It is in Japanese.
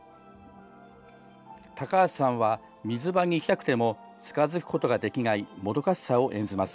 高橋さんは水場に行きたくても近づくことができないもどかしさを演じます。